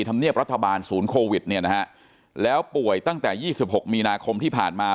ธรรมเนียบรัฐบาลศูนย์โควิดเนี่ยนะฮะแล้วป่วยตั้งแต่๒๖มีนาคมที่ผ่านมา